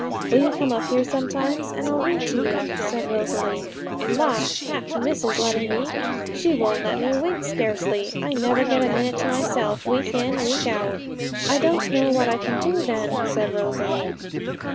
'Will you come up here sometimes, and I'll read to you?' said Rosalie. 'La! catch missus letting me. She won't let me wink scarcely! I never get a minute to myself, week in week out.' 'I don't know what I can do then,' said Rosalie.